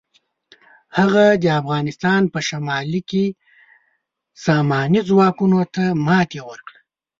هغه د افغانستان په شمالي کې ساماني ځواکونو ته ماتې ورکړه.